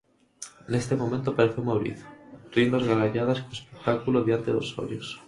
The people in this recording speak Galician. Neste momento apareceu Mauricio, rindo ás gargalladas co espectáculo diante dos ollos.